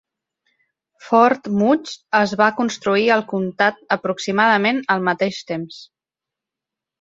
Fort Mudge es va construir al comtat aproximadament al mateix temps.